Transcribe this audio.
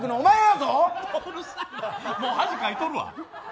もう恥かいとるわ。